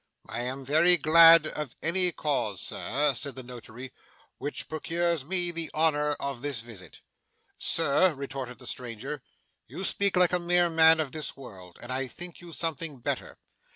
'I am very glad of any cause, sir,' said the Notary, 'which procures me the honour of this visit.' 'Sir,' retorted the stranger, 'you speak like a mere man of the world, and I think you something better.